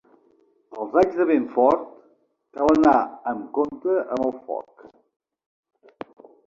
Els anys de vent fort cal anar amb compte amb el foc.